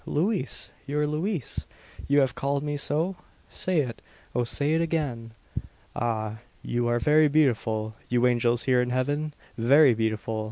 Louise! Your Louise! You have called me so? Say it O say it again!" "Ah! you are very beautiful, you angels here in heaven! Very beautiful.